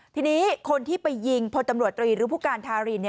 ทีนี้คนที่ไปยิงพลตำรวจตรีหรือผู้การทาริน